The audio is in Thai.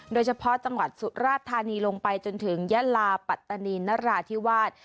โดยเฉพาะจังหวัดสุราธานีลงไปจนถึงยะลาปัตตานีนราธิวาส